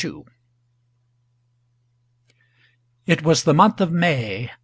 II. IT was the month of May.